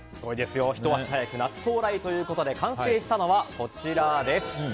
ひと足早く夏到来ということで完成したのはこちら。